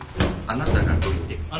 あなたがどいて。